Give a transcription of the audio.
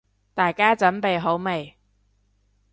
大家準備好未？